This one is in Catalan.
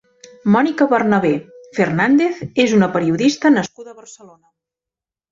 Mònica Bernabé Fernández és una periodista nascuda a Barcelona.